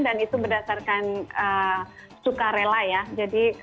dan itu berdasarkan sukarela ya